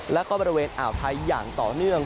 แล้วก็บริเวณอ่าวไทยอย่างต่อเนื่อง